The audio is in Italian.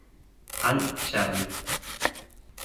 Al Cervi